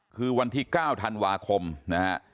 คือวันที่๙ธันวาคมนะฮะ